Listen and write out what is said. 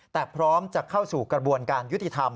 แต่พร้อมจะเข้าสู่กระบวนการยุติธรรม